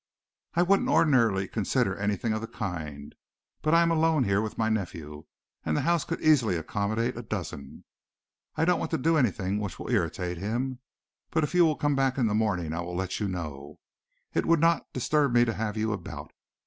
"I wouldn't ordinarily consider anything of the kind, but I am alone here with my nephew and the house could easily accommodate a dozen. I don't want to do anything which will irritate him, but if you will come back in the morning I will let you know. It would not disturb me to have you about.